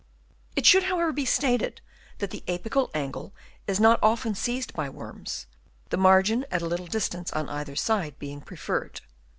It should, however, be stated that the apical angle is not often seized by worms ; the margin at a little distance on either side being preferred.